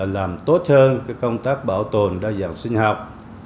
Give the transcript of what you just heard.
làm tốt hơn công tác bảo tồn đa dạng sinh học